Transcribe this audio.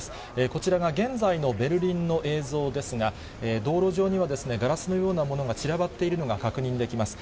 こちらが現在のベルリンの映像ですが、道路上には、ガラスのようなものが散らばっているのが確認できます。